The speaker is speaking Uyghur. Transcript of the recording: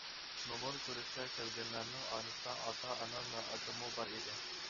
نومۇر كۆرۈشكە كەلگەنلەرنىڭ ئارىسىدا ئاتا-ئانام ۋە ئاكاممۇ بار ئىدى.